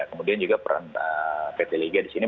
kemudian juga peran pt liga di sini